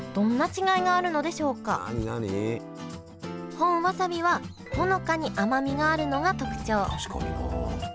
本わさびはほのかに甘みがあるのが特徴確かになあ。